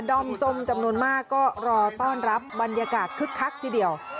อมส้มจำนวนมากก็รอต้อนรับบรรยากาศคึกคักทีเดียว